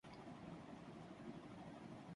ورن دھون کا عالیہ بھٹ کو معاوضہ بڑھانے کا مشورہ